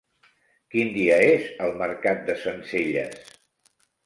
Quin dia és el mercat de Sencelles?